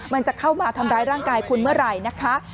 มันจะเข้ามาทำร้ายร่างกายคุณเมื่อไหร่นะคะ